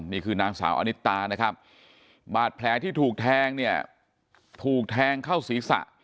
นี่คือนางสาวอนิตานะครับบาดแผลที่ถูกแทงเนี่ยถูกแทงเข้าศีรษะ